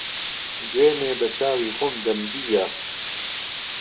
دوێنێ به چاوی خۆم دەمدييه